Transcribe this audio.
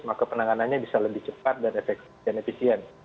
maka penanganannya bisa lebih cepat dan efisien